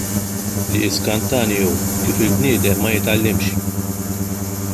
Li jiskantani hu kif il-bniedem ma jitgħallimx.